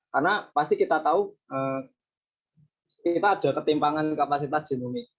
karena pasti kita tahu kita ada ketimpangan kapasitas genomik